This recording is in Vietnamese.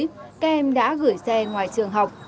các em đã gửi xe ngoài trường học